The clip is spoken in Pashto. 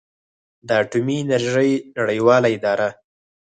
د اټومي انرژۍ نړیواله اداره